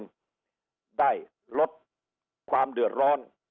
ให้ประชาชนได้ลดความเดือดร้อน